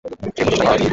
সেই প্রচেষ্টা করা উচিত।